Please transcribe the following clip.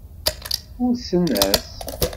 Ulsen-as.